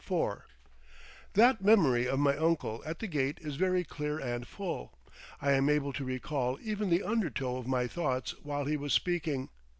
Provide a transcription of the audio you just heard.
IV That memory of my uncle at the gate is very clear and full. I am able to recall even the undertow of my thoughts while he was speaking.